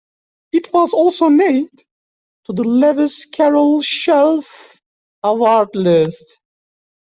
It was also named to the Lewis Carroll Shelf Award list.